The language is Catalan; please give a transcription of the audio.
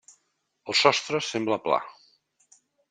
El sostre sembla pla.